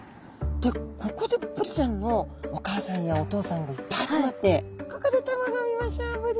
ここでブリちゃんのお母さんやお父さんがいっぱい集まって「ここで卵を産みましょうブリ」